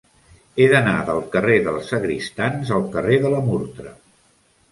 He d'anar del carrer dels Sagristans al carrer de la Murtra.